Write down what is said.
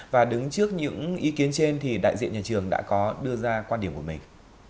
và đứng trước những ý kiến trên thì đại diện nhà trường đã có đưa ra quan điểm của mình